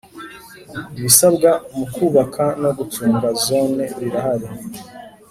ibisabwa mu kubaka no gucunga Zone birahari.